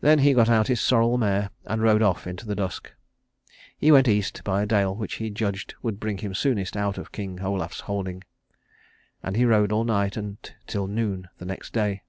Then he got out his sorrel mare and rode off in the dusk. He went East by a dale which he judged would bring him soonest out of King Olaf's holding; and he rode all night and till noon the next day.